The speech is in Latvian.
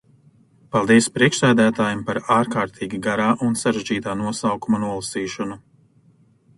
Paldies priekšsēdētājam par ārkārtīgi garā un sarežģītā nosaukuma nolasīšanu.